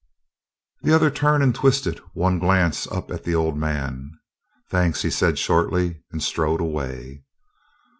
The other turned and twisted one glance up at the old man. "Thanks," he said shortly and strode away.